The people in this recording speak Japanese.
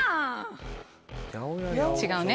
違うね。